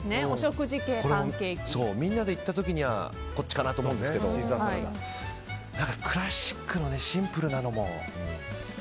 みんなで行った時にはこっちかなと思うんですけど何かクラシックなシンプルなのも。